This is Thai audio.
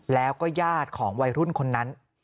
แล้วก็ญาติของวัยรุ่นคนนั้น